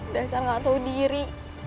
dasar gatau diri